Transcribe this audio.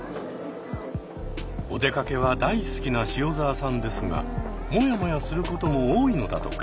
お出かけは大好きな塩澤さんですがモヤモヤすることも多いのだとか。